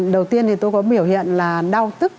đầu tiên thì tôi có biểu hiện là đau tức